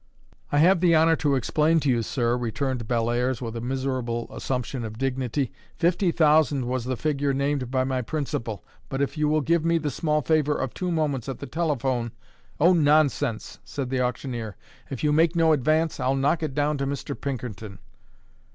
"I have the honour to explain to you, sir," returned Bellairs, with a miserable assumption of dignity. "Fifty thousand was the figure named by my principal; but if you will give me the small favour of two moments at the telephone " "O, nonsense!" said the auctioneer. "If you make no advance, I'll knock it down to Mr. Pinkerton."